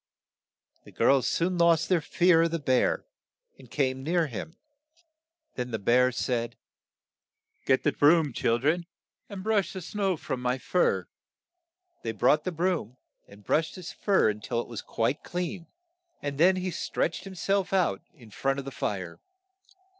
The girls soon lost their fear of the bear, and came near him. Then the bear said, "Get the broom, chil dren, and brush the snow from my fur." They brought the broom, and brushed his fur till it was quite clean, and then he stretched him self out in front of the fire.